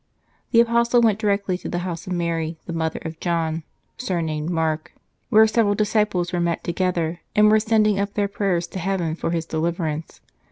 The apostle went directly to the house of Mary the mother of John, sur named Mark, where several disciples were met together, and were sending up their prayers to heaven for his de liverance.